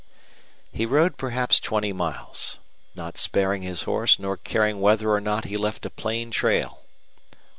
He rode perhaps twenty miles, not sparing his horse nor caring whether or not he left a plain trail.